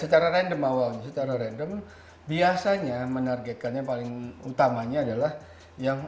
secara random awalnya secara random biasanya menargetkannya paling utamanya adalah yang